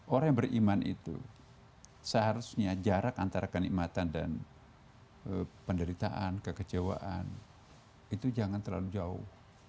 orang yang beriman itu seharusnya jarak antara kenikmatan dan penderitaan kekecewaan itu jangan terlalu jauh